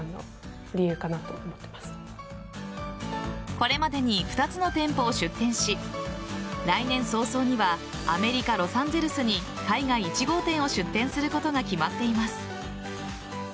これまでに２つの店舗を出店し来年早々にはアメリカ・ロサンゼルスに海外１号店を出店することが決まっています。